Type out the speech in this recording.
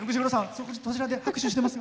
そちらで拍手しています。